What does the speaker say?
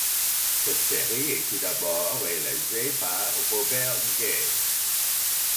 Cette série est tout d’abord réalisée par Robert Guez.